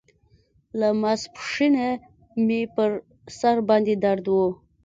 له ماسپښينه مې پر سر باندې درد و.